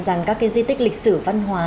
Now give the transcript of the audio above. rằng các cái di tích lịch sử văn hóa